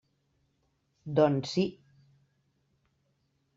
Doncs, sí.